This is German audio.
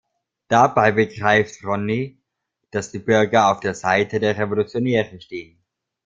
Dabei begreift Ronnie, dass die Bürger auf der Seite der Revolutionäre stehen.